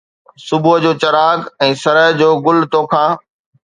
صبح جو چراغ ۽ سرءُ جو گل توکان